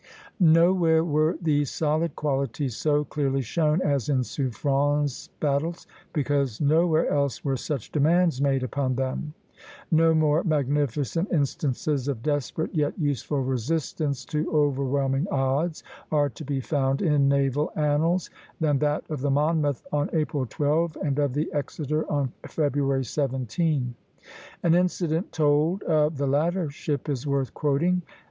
Nowhere were these solid qualities so clearly shown as in Suffren's battles, because nowhere else were such demands made upon them. No more magnificent instances of desperate yet useful resistance to overwhelming odds are to be found in naval annals, than that of the "Monmouth" on April 12, and of the "Exeter" on February 17. An incident told of the latter ship is worth quoting.